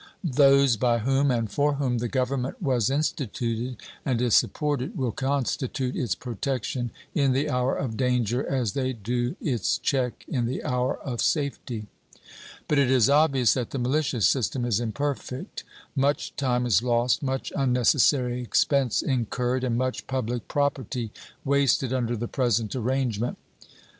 Those by whom and for whom the Government was instituted and is supported will constitute its protection in the hour of danger as they do its check in the hour of safety. But it is obvious that the militia system is imperfect. Much time is lost, much unnecessary expense incurred, and much public property wasted under the present arrangement.